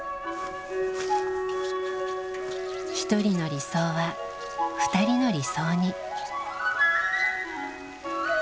一人の理想は二人の理想に。